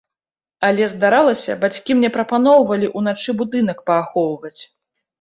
Але, здаралася, бацькі мне прапаноўвалі ўначы будынак паахоўваць.